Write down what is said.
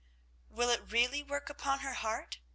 "Will it really work upon her heart?"